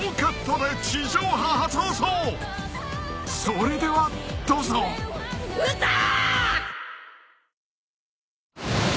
［それではどうぞ！］ウタ！